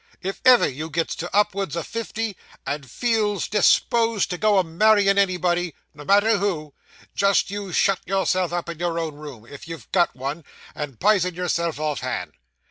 If ever you gets to up'ards o' fifty, and feels disposed to go a marryin' anybody no matter who jist you shut yourself up in your own room, if you've got one, and pison yourself off hand.